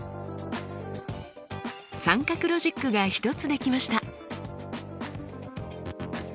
三角ロジックが１つできました。